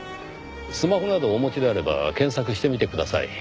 スマホなどお持ちであれば検索してみてください。